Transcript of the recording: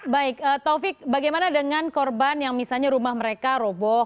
baik taufik bagaimana dengan korban yang misalnya rumah mereka roboh